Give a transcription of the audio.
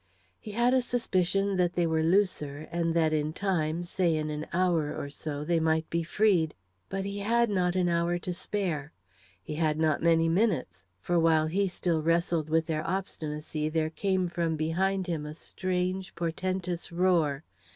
He had a suspicion that they were looser, and that in time, say in an hour or so, they might be freed. But he had not an hour to spare. He had not many minutes, for while he still wrestled with their obstinacy there came from behind him a strange, portentous roar.